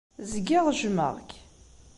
Zgiɣ jjmeɣ-k.